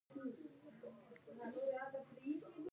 یا د وینې په سیروم کې په غیر فعال حالت کې وي.